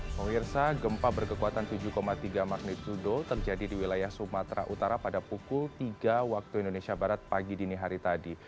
pemirsa gempa berkekuatan tujuh tiga magnitudo terjadi di wilayah sumatera utara pada pukul tiga waktu indonesia barat pagi dini hari tadi